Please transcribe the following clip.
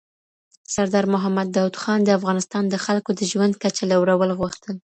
سردار محمد داود خان د افغانستان د خلکو د ژوند کچه لوړول غوښتل.